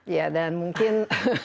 ya dan mungkin